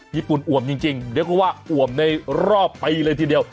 ญี่ปุ่นอว่ำจริงเดี๋ยวก็ว่าอว่ำในรอบไปเลยทีเดียว